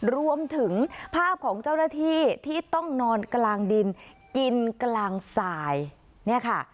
รวมถึงภาพของเจ้าหน้าที่ที่ต้องนอนกลางดินกินกลางสายเนี่ยค่ะ